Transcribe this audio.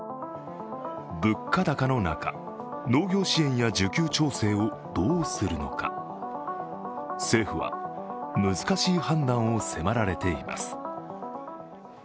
物価高の中、農業支援や需給調整をどうするのか政府は難しい判断を迫られています。